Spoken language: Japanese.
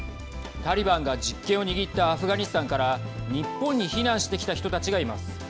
タリバンが実権を握ったアフガニスタンから日本に避難してきた人たちがいます。